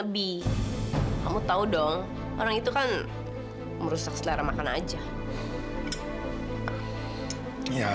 kamu sedang membuat papa kecewa